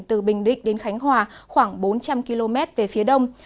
từ bình định đến khánh hòa khoảng bốn trăm linh km về phía đông